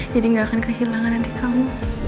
jadi gak akan kehilangan adik kamu